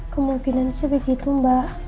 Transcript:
kemungkinan sih begitu mbak